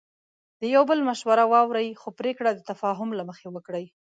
د یو بل مشوره واورئ، خو پریکړه د تفاهم له مخې وکړئ.